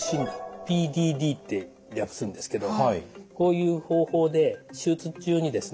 ＰＤＤって略すんですけどこういう方法で手術中にですね